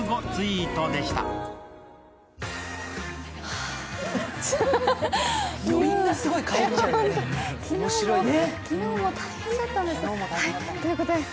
ああ、昨日も大変だったんです。